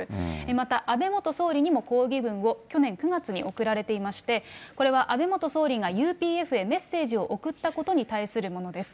また安倍元総理にも抗議文を、去年９月に送られていまして、これは安倍元総理がＵＰＦへメッセージを送ったことに対するものです。